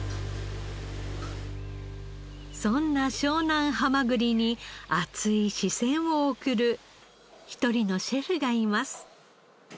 そんな湘南はまぐりに熱い視線を送る一人のシェフがいます。